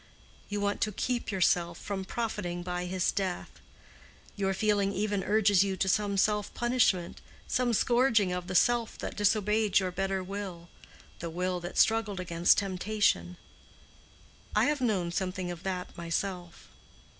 You want to keep yourself from profiting by his death. Your feeling even urges you to some self punishment—some scourging of the self that disobeyed your better will—the will that struggled against temptation. I have known something of that myself.